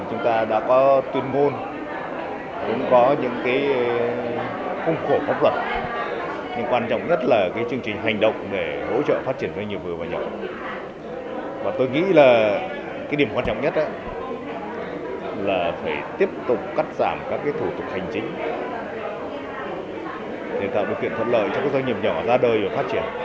tổng cắt giảm các thủ tục hành chính để tạo điều kiện thật lợi cho các doanh nghiệp nhỏ ra đời và phát triển